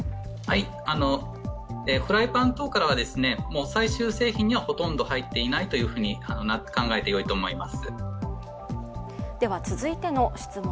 フライパン等からは、最終製品にはほとんど入っていないというふうに考えてよいと思います。